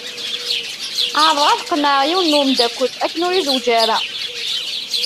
Ԑerḍeɣ ad qennεeɣ yiwen n wemdakel akken ur izewweǧ ara.